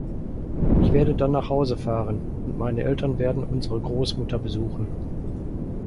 Ich werde dann nach Hause fahren, und meine Eltern werden unsere Großmutter besuchen.